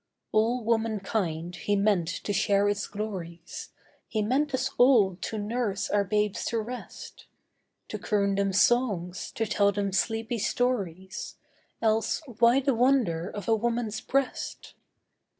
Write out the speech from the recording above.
'All womankind He meant to share its glories; He meant us all to nurse our babes to rest. To croon them songs, to tell them sleepy stories, Else why the wonder of a woman's breast?